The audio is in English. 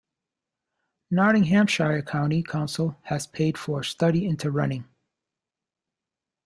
Nottinghamshire County Council has paid for a study into running.